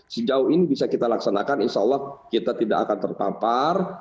sejauh ini bisa kita laksanakan insya allah kita tidak akan terpapar